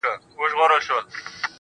اختر نژدې دی.